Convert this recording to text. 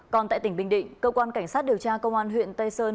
còn tại tỉnh bình định cơ quan cảnh sát điều tra công an huyện tây sơn